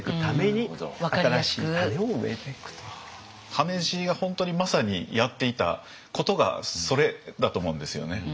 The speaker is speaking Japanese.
羽地が本当にまさにやっていたことがそれだと思うんですよね。